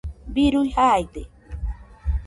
birui jaide